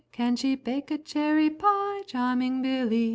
Can she bake a cherry pie, charming Billy?